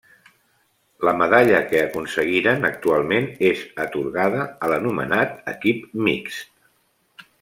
La medalla que aconseguiren actualment és atorgada a l'anomenat Equip Mixt.